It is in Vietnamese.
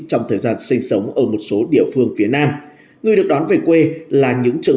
những người đang sinh sống ở một số địa phương phía nam người được đón về quê là những trường